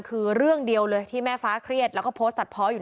คือเรื่องเดียวเลยที่แม่ฟ้าเครียดแล้วก็โพสต์ตัดเพาะอยู่